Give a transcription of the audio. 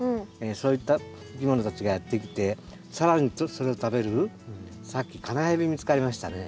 そういったいきものたちがやって来て更にそれを食べるさっきカナヘビ見つかりましたね。